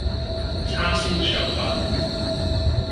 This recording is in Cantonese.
叉燒腸粉